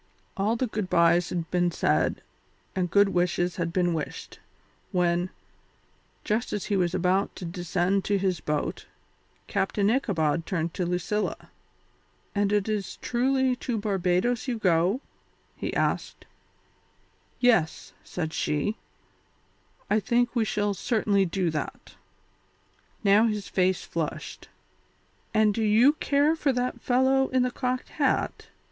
All the good byes had been said and good wishes had been wished, when, just as he was about to descend to his boat, Captain Ichabod turned to Lucilla. "And it is truly to Barbadoes you go?" he asked. "Yes," said she, "I think we shall certainly do that." Now his face flushed. "And do you care for that fellow in the cocked hat?"